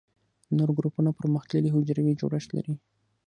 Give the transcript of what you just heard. نور ګروپونه پرمختللي حجروي جوړښت لري.